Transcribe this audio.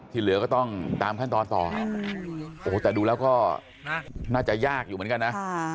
เหลือก็ต้องตามขั้นตอนต่อโอ้โหแต่ดูแล้วก็น่าจะยากอยู่เหมือนกันนะ